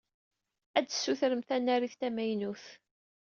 Ad tessutrem tanarit tamaynut.